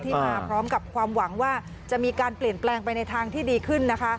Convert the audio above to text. มาพร้อมกับความหวังว่าจะมีการเปลี่ยนแปลงไปในทางที่ดีขึ้นนะคะ